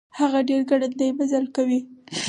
هغه ډير ګړندی مزل کوي.